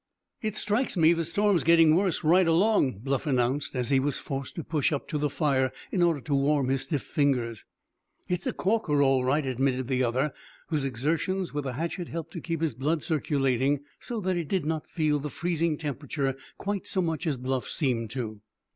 "It strikes me the storm keeps getting worse right along," Bluff announced, as he was forced to push up to the fire in order to warm his stiff fingers. "It's a corker, all right," admitted the other, whose exertions with the hatchet helped to keep his blood circulating, so that he did not feel the freezing temperature quite so much as Bluff seemed to.